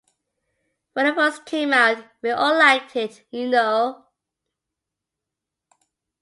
When it first came out, we all liked it, you know?